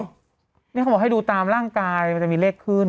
นี่เขาบอกให้ดูตามร่างกายมันจะมีเลขขึ้น